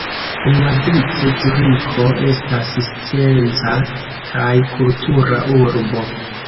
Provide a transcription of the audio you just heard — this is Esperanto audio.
Unuavice Zuriko estas scienca kaj kultura urbo.